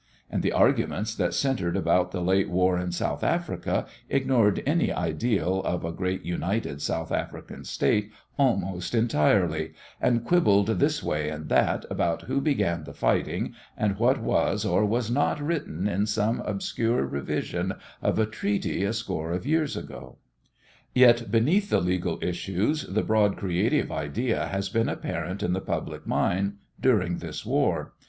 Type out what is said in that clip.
And the arguments that centered about the late war in South Africa ignored any ideal of a great united South African state almost entirely, and quibbled this way and that about who began the fighting and what was or was not written in some obscure revision of a treaty a score of years ago. Yet beneath the legal issues the broad creative idea has been apparent in the public mind during this war.